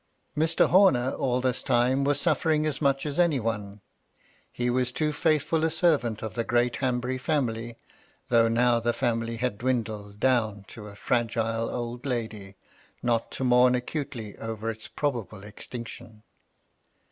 Mr. Horner all this time was sufiering as much as any one. He was too faithful a servant of the great Hanbury family, though now the family had dwindled down to a fra^e old lady, not to mourn acutely over its probable extinction.